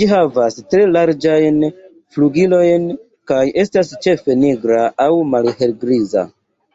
Ĝi havas tre larĝajn flugilojn, kaj estas ĉefe nigra aŭ malhelgriza.